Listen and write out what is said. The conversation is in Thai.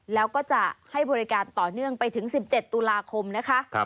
แล้วก็จะให้บริการต่อเนื่องไปถึง๑๗ตุลาคมนะคะ